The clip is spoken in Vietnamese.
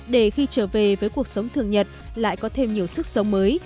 để khi trở về với cuộc sống thường nhật lại có thêm nhiều sức sống mới